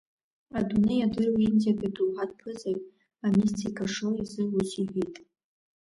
Адунеи иадыруа индиатәи адоуҳатә ԥызаҩ, амистик ошо изы ус иҳәеит…